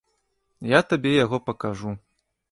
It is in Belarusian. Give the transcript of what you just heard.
Я табе яго пакажу.